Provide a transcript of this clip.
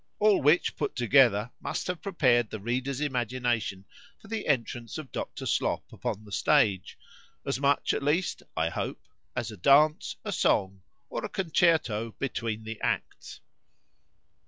_—all which put together, must have prepared the reader's imagination for the entrance of Dr. Slop upon the stage,—as much, at least (I hope) as a dance, a song, or a concerto between the acts.